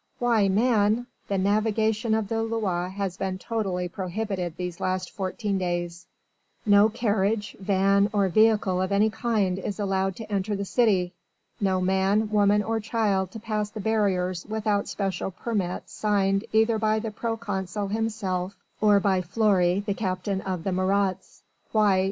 Why man! the navigation of the Loire has been totally prohibited these last fourteen days no carriage, van or vehicle of any kind is allowed to enter the city no man, woman or child to pass the barriers without special permit signed either by the proconsul himself or by Fleury the captain of the Marats. Why!